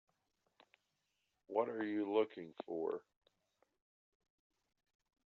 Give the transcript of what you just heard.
What are you looking for?